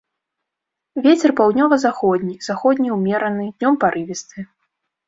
Вецер паўднёва-заходні, заходні ўмераны, днём парывісты.